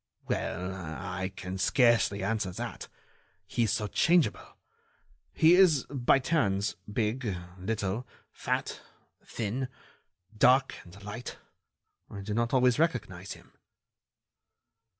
"Well, I can scarcely answer that. He is so changeable. He is, by turns, big, little, fat, thin ... dark and light. I do not always recognize him."